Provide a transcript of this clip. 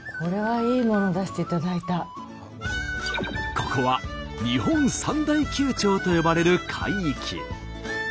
ここは「日本三大急潮」と呼ばれる海域。